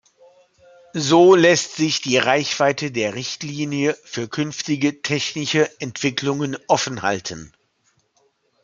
So lässt sich die Reichweite der Richtlinie für künftige technische Entwicklungen offenhalten.